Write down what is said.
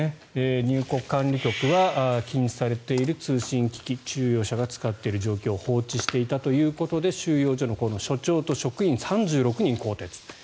入国管理局は禁止されている通信機器収容者が使っている状況を放置していたということで収容所の所長と職員３６人を更迭。